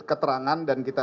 keterangan dan kita